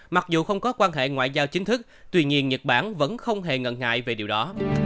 mặc dù không có quan hệ ngoại giao chính thức tuy nhiên nhật bản vẫn không hề ngần ngại về điều đó